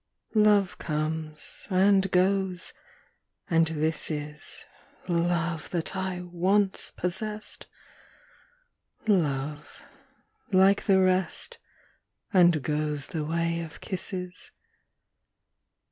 Love comes and goes, and this is (Love, that I once possessed !) Love, like the |rest, And goes the way of kisses.